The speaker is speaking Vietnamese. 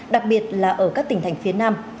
đặc biệt là ở các tỉnh thành phía nam